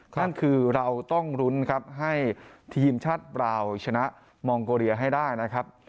นั่นคือเราต้องลุ้นครับให้ทีมชาติบราวชนะมองโกเรียให้ได้นะครับ